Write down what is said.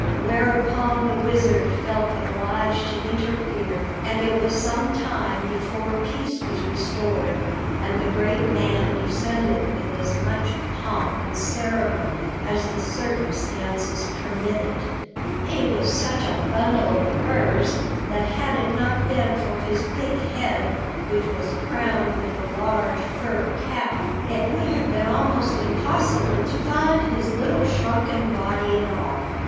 Whereupon the Wizard felt obliged to interfere and it was some time before peace was restored and the great man descended with as much pomp and ceremony as the circumstances permitted. He was such a bundle of furs that had it not been for his big head, which was crowned with a large fur cap, it would have been almost impossible to find his little shrunken body at all.